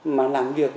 mà làm việc